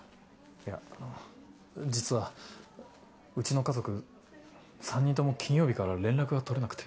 いやあの実はうちの家族３人とも金曜日から連絡が取れなくて。